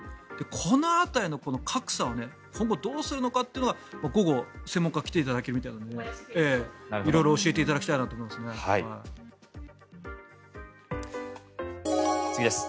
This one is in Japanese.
この辺りの格差を今後どうするのかというのは午後、専門家に来ていただいて色々教えていただきたいなと思いますね。